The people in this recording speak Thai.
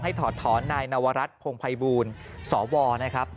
ให้ถอดถอนนายนวรัฐโครงภัยบูรณ์สวนะครับ